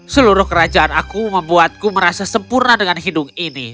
seluruh kerajaan aku membuatku merasa sempurna dengan hidung ini